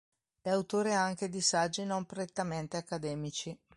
È autore anche di saggi non prettamente accademici.